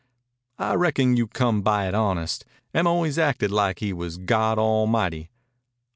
"I reckon you come by it honest. Em always acted like he was God Almighty."